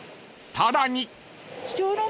［さらに］